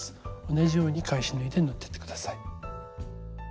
同じように返し縫いで縫ってって下さい。